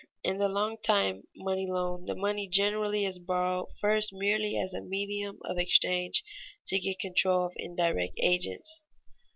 _In the long time money loan the money generally is borrowed first merely as a medium of exchange to get control of indirect agents.